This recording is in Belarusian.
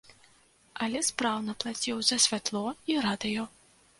Але спраўна плаціў за святло і радыё.